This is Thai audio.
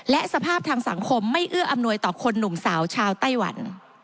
และสภาพทางสังคมไม่เอื้ออำนวยต่อคนหนุ่มสาวชาวไต้หวัน